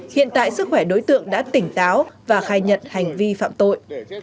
hiện tại sức khỏe đối tượng đã tỉnh táo và khai nhận hành vi phạm tội